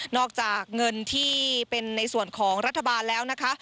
อกจากเงินที่เป็นในส่วนของรัฐบาลแล้วนะคะ